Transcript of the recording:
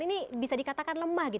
ini bisa dikatakan lemah